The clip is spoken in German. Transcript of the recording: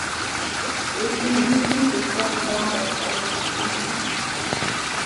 Richtung Süden durchfährt die Bahn das bayerische Inntal.